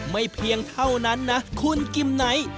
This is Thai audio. เพียงเท่านั้นนะคุณกิมไนท์